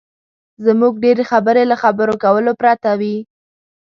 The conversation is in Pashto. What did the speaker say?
زموږ ډېرې خبرې له خبرو کولو پرته وي.